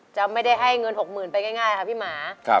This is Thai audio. จะไม่ได้ให้เงิน๖หมื่นไปง่ายครับพี่หมา